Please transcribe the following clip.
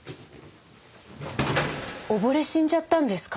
溺れ死んじゃったんですか？